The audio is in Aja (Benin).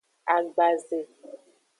Agbaze.